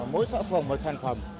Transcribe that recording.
mỗi xã phường một sản phẩm